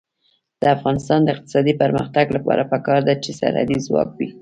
د افغانستان د اقتصادي پرمختګ لپاره پکار ده چې سرحدي ځواک وي.